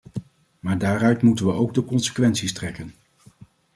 Maar daaruit moeten we ook de consequenties trekken.